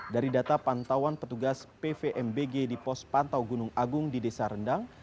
dari data pantauan petugas pvmbg di pos pantau gunung agung di desa rendang